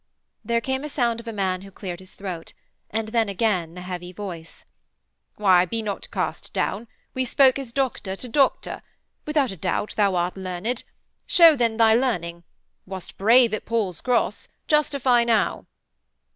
There came a sound of a man who cleared his throat and then again the heavy voice: 'Why, be not cast down; we spoke as doctor to doctor. Without a doubt thou art learned. Show then thy learning. Wast brave at Paul's Cross. Justify now!'